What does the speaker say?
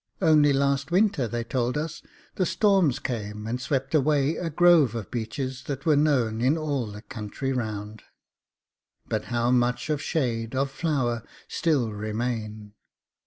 Only last winter they told us the storms came and swept away a grove of Beeches that were known in all the country round, but how much of shade, of flower, still remain!